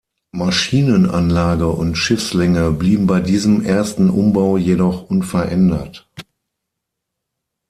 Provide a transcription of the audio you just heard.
Maschinenanlage und Schiffslänge blieben bei diesem ersten Umbau jedoch unverändert.